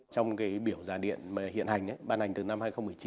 trong cái biểu giá điện hiện hành ban hành từ năm hai nghìn một mươi chín